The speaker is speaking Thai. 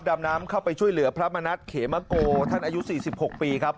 ดำน้ำเข้าไปช่วยเหลือพระมณัฐเขมโกท่านอายุ๔๖ปีครับ